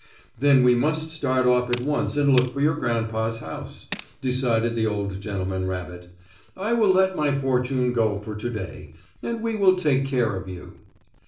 "Then we must start off at once and look for your grandpa's house," decided the old gentleman rabbit. "I will let my fortune go for to day, and we will take care of you."